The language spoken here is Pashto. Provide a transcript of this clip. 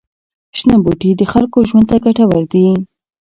شنه بوټي د خلکو ژوند ته ګټور دي.